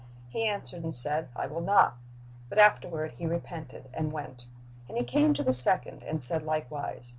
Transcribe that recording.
He answered and said, I will not; but afterward he repented, and went. And he came to the second, and said likewise.